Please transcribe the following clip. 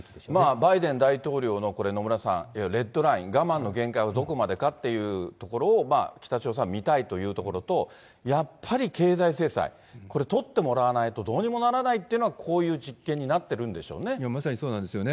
バイデン大統領のこれ、野村さん、レッドライン、我慢の限界はどこまでかというところを、北朝鮮はみたいというところと、やっぱり経済制裁、これ、取ってもらわないとどうにもならないっていうのは、こういう実験まさにそうなんですよね。